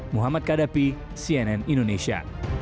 muhammad kadapi cnn indonesia